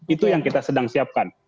itu yang kita sedang siapkan